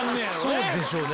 そうでしょうね。